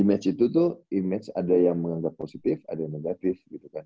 image itu tuh image ada yang menganggap positif ada yang negatif gitu kan